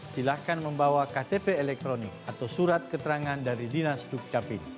silahkan membawa ktp elektronik atau surat keterangan dari dinas dukcapil